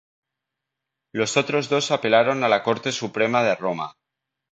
Los otros dos apelaron a la Corte Suprema de Roma.